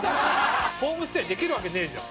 ホームステイできるわけねえじゃん。